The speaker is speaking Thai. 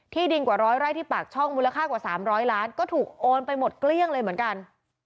ดินกว่าร้อยไร่ที่ปากช่องมูลค่ากว่า๓๐๐ล้านก็ถูกโอนไปหมดเกลี้ยงเลยเหมือนกัน